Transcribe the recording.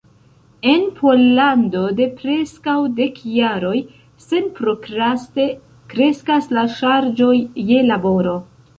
En Pollando de preskaŭ dek jaroj senprokraste kreskas la ŝarĝoj je laboro.